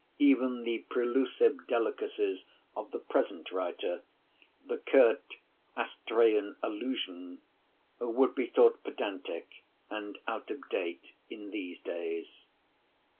Even the prelusive delicacies of the present writer—the curt "Astræan allusion"—would be thought pedantic, and out of date, in these days.